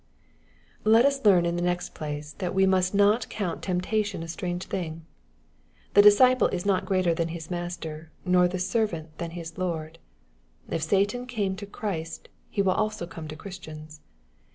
Let us learn in the next place, that we must not count temptation a strange thing, " The disciple is not greater than his master, nor the servant than his lord." If Satan came to Christ, he will also come to Christians.